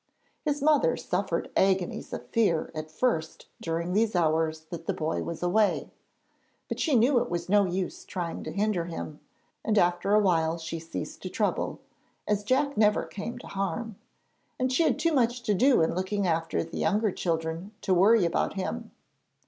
His mother suffered agonies of fear at first during these hours that the boy was away, but she knew it was no use trying to hinder him, and after a while she ceased to trouble, as Jack never came to harm, and she had too much to do in looking after the younger children to worry about him.